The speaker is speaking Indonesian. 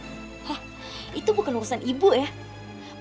hah itu bukan urusan ibu ya